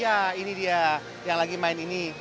ya ini dia yang lagi main ini